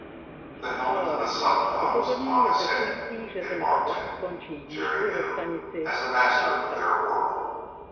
The helmet of the sun god was upon his head. It marked him, Jerry knew, as the master of their world.